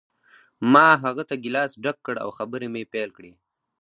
ما هغه ته ګیلاس ډک کړ او خبرې مې پیل کړې